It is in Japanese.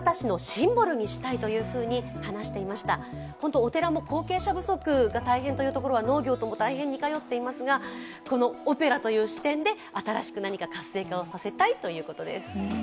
お寺も後継者不足が大変ということは、農業とも大変似通っていますがオペラという視点で新しく何か活性化をさせたいということです。